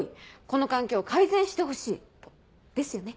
この環境を改善してほしい」とですよね？